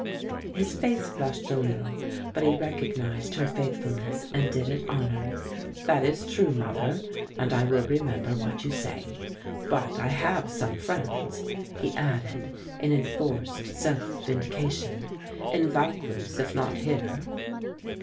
His face flushed a little, but he recognized her faithfulness and did it honor. "That is true, mother, and I will remember what you say. But I have some friends," he added, in enforced self vindication, "in Vaucluse if not here."